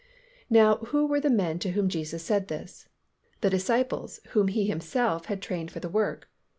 Now who were the men to whom Jesus said this? The disciples whom He Himself had trained for the work.